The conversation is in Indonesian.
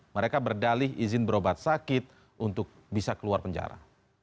mereka berdalih izin berobat sakit untuk bisa keluar penjara